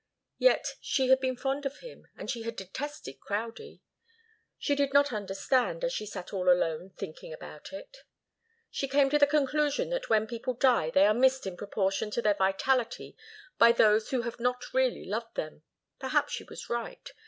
Yet she had been fond of him, and she had detested Crowdie. She did not understand, as she sat all alone thinking about it. She came to the conclusion that when people die they are missed in proportion to their vitality by those who have not really loved them. Perhaps she was right.